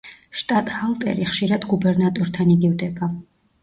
შტატჰალტერი ხშირად გუბერნატორთან იგივდება.